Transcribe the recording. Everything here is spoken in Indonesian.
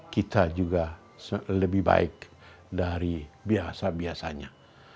kita juga lebih baik dari biasa biasanya